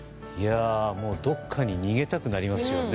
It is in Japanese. もう、どこかに逃げたくなりますよね